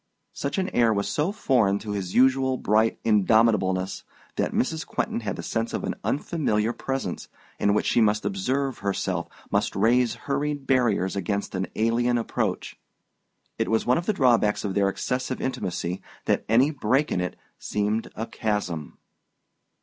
Such an air was so foreign to his usual bright indomitableness that Mrs. Quentin had the sense of an unfamiliar presence, in which she must observe herself, must raise hurried barriers against an alien approach. It was one of the drawbacks of their excessive intimacy that any break in it seemed a chasm.